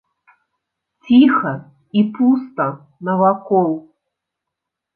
Ціха і пуста навакол.